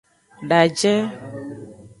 Daje.